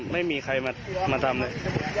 ไม่มีใครมาทำเลย